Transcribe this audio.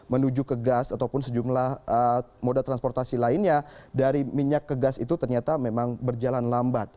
menuju ke gas ataupun sejumlah moda transportasi lainnya dari minyak ke gas itu ternyata memang berjalan lambat